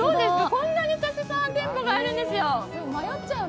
こんなにたくさん店舗があるんですよ。